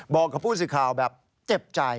บอกกับผู้สื่อข่าวแบบเจ็บใจ